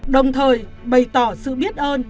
đồng thời bày tỏ sự biết ơn